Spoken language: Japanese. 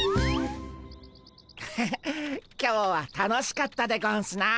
ハハッ今日は楽しかったでゴンスな。